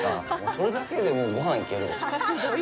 それだけで、もうごはんいけるわ。